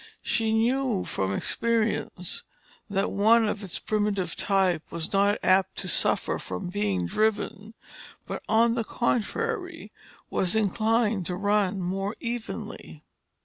She knew from experience that one of its primitive type was not apt to suffer from being driven, but on the contrary was inclined to run more evenly.